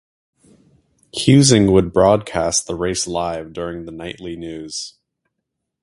Husing would broadcast the race live during the nightly news.